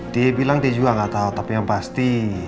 dia bilang dia juga nggak tahu tapi yang pasti